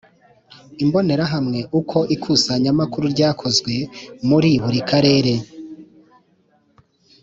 Imbonerahamwe Uko ikusanyamakuru ryakozwe muri buri karere